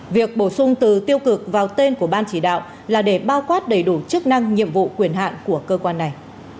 việc bổ sung từ tiêu cực vào tên của ban chỉ đạo là để bao quát đầy đủ chức năng nhiệm vụ quyền hạn của cơ quan này